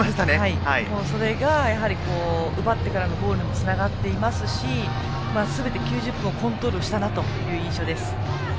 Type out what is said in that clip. それが奪ってからのゴールにもつながっていますしすべて９０分をコントロールしたという印象です。